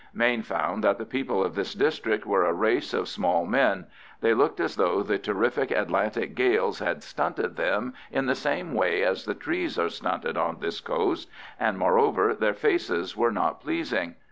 Mayne found that the people of this district were a race of small men; they looked as though the terrific Atlantic gales had stunted them in the same way as the trees are stunted on this coast, and, moreover, their faces were not pleasing.